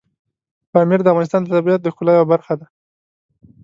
پامیر د افغانستان د طبیعت د ښکلا یوه برخه ده.